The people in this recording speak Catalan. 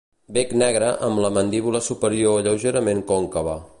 Bec negre amb la mandíbula superior lleugerament còncava.